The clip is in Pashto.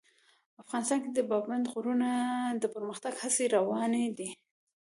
افغانستان کې د پابندي غرونو د پرمختګ هڅې روانې دي.